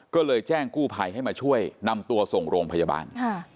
ก็เลยแจ้งกู้ภัยให้มาช่วยนำตัวส่งโรงพยาบาล